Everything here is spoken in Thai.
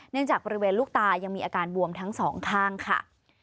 จากบริเวณลูกตายังมีอาการบวมทั้งสองข้างค่ะ